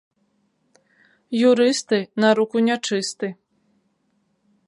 Юрысты на руку нячысты